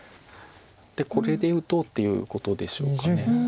これで打とうっていうことでしょうか。